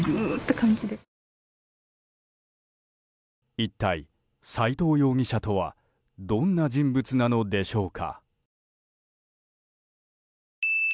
一体、斎藤容疑者とはどんな人物なのでしょうか。